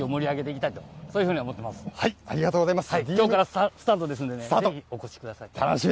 きょうからスタートですんでね、ぜひお越しください。